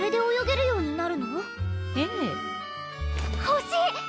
ほしい！